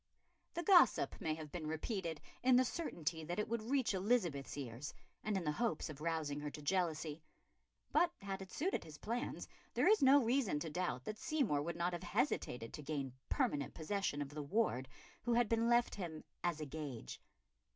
The gossip may have been repeated in the certainty that it would reach Elizabeth's ears and in the hope of rousing her to jealousy. But had it suited his plans, there is no reason to doubt that Seymour would not have hesitated to gain permanent possession of the ward who had been left him "as a gage."